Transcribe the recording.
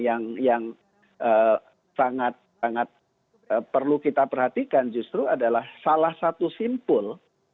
yang sangat sangat perlu kita perhatikan justru adalah salah satu simpul